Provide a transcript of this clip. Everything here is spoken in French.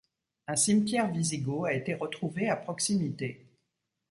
Un cimetière wisigoth a été retrouvé à proximité.